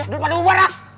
dulu pada bubar ah